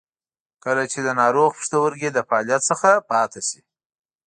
کله چې د ناروغ پښتورګي له فعالیت څخه پاتې شي.